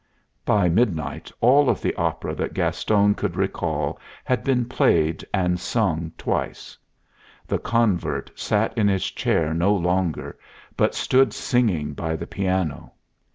By midnight all of the opera that Gaston could recall had been played and sung twice. The convert sat in his chair no longer, but stood singing by the piano.